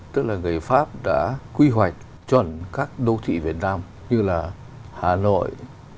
tức là người pháp đã quy hoạch chuẩn các đô thị việt nam như là hà nội